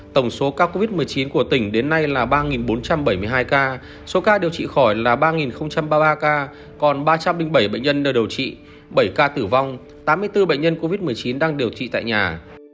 tổng số ca covid một mươi chín của tỉnh đến nay là ba bốn trăm bảy mươi hai ca số ca điều trị khỏi là ba ba mươi ba ca còn ba trăm linh bảy bệnh nhân nơi điều trị bảy ca tử vong tám mươi bốn bệnh nhân covid một mươi chín đang điều trị tại nhà